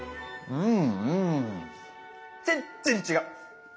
うん！